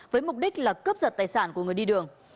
với mục đích là cướp giật tài sản của người đi đường